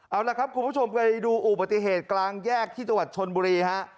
เอาล่ะครับคุณผู้ชมไปดูอุบัติเหตุกลางแยกที่จังหวัดชนบุรีฮะ